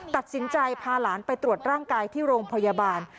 ตัดสินใจพาหลานไปตรวจร่างกายที่โรงพยาบาล